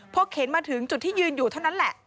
พอเข็นมาถึงจุดที่ยืนอยู่เท่านั้นแหละ